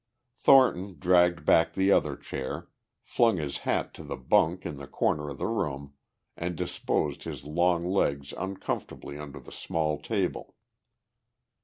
Thornton dragged back the other chair, flung his hat to the bunk in the corner of the room, and disposed his long legs uncomfortably under the small table.